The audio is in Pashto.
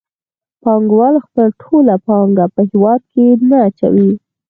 پانګوال خپله ټوله پانګه په هېواد کې نه اچوي